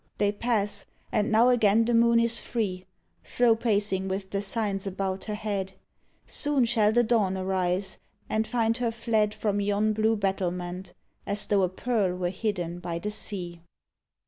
They pass, and now again the moon is free, Slow pacing with the Signs about her head; Soon shall the dawn arise and find her fled From yon blue battlement, As tho a pearl were hidden by the sea.